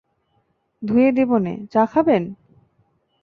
ধুয়ে দিবোনে, চা খাবেন?